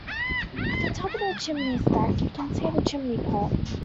At the top of the chimney stack, you can see the chimney pot